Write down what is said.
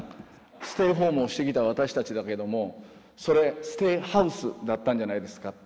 ステイホームをしてきた私たちだけどもそれ「ステイハウス」だったんじゃないですか？